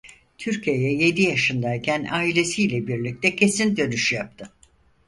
Türkiye'ye yedi yaşındayken ailesiyle birlikte kesin dönüş yaptı.